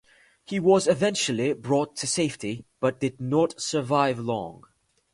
He was eventually brought to safety but did not survive long.